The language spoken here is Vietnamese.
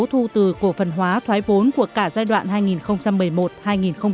thu từ cổ phần hóa thoái vốn của cả giai đoạn hai nghìn một mươi một hai nghìn một mươi năm